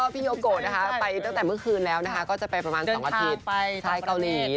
พี่โอโก้นะคะไปตั้งแต่เมื่อคืนแล้วก็จะไปประมาณ๒วาทดีทางเกาหลีนะคะ